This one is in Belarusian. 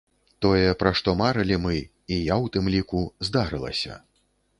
Тое, пра што марылі мы, і я ў тым ліку, здарылася!